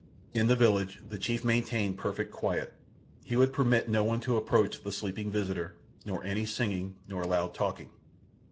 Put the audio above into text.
In the village the chief maintained perfect quiet. He would permit no one to approach the sleeping visitor, nor any singing, nor loud talking.